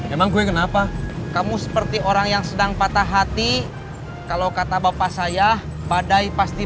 emang gue kenapa kamu seperti orang yang sedang patah hati kalau kata bapak saya badai pasti